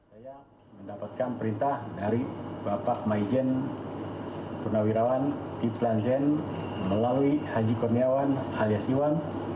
saya mendapatkan perintah dari bapak maijen purnawirawan kiplan zen melalui haji kurniawan alias iwan